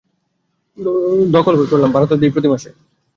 দখল কই করলাম, ভাড়া তো দেই প্রতি মাসে।